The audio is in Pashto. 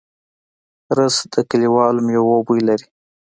رس د کلیوالو مېوو بوی لري